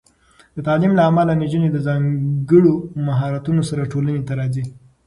د تعلیم له امله، نجونې د ځانګړو مهارتونو سره ټولنې ته راځي.